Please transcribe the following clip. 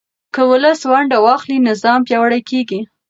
که ولس ونډه واخلي، نظام پیاوړی کېږي.